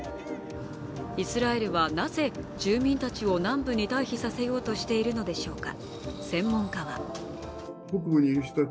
イスラエルはなぜ住民たちを南部に退避させようとしているのでしょうか。